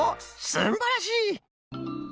すんばらしい！